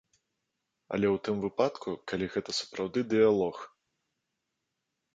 Але ў тым выпадку, калі гэта сапраўды дыялог.